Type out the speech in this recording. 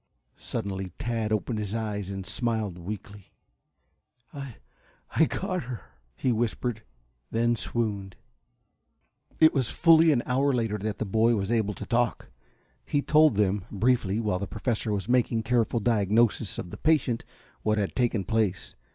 Suddenly Tad opened his eyes, and smiled weakly. "I I got her," he whispered, then swooned. It was fully an hour later that the boy was able to talk. He told them, briefly, while the Professor was making a careful diagnosis of the patient, what had taken place.